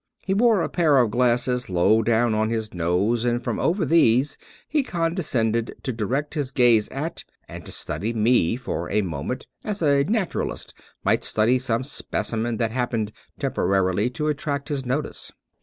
He wore a pair of glasses low down on his nose ; and from over these he condescended to direct his gaze at, and to study me for a moment as a naturalist might study some specimen that happened temporarily to attract his notice.